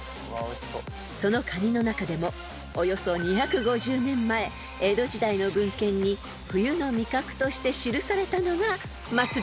［そのカニの中でもおよそ２５０年前江戸時代の文献に冬の味覚として記されたのが］